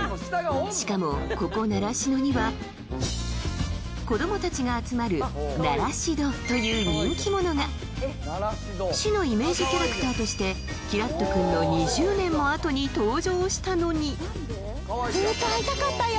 しかもここ習志野には子どもたちが集まる「ナラシド」という人気者が市のイメージキャラクターとしてきらっと君の２０年もあとに登場したのにずっと会いたかったよ